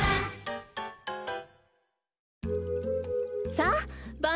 さあばん